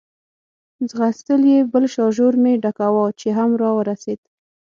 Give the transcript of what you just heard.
ځغستل یې، بل شاژور مې ډکاوه، چې هم را ورسېد.